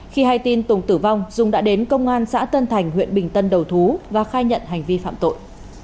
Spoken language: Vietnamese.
khi hay tin tùng tử vong dung đã đến công an xã tân thành huyện bình tân đầu thú và khai nhận hành vi phạm tội